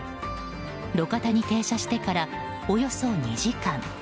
路肩に停車してからおよそ２時間。